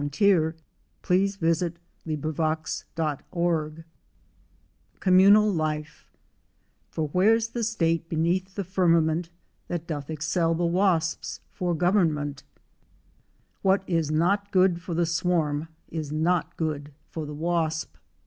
WASPS Social and Solitary Chapter I COMMUNAL LIFE " For where 's the state beneath the firmament That doth excel the wasps' for government." " What is not good for the swarm is not good for the wasp."